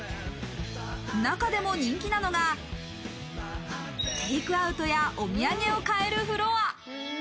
中でも人気なのがテイクアウトやお土産を買えるフロア。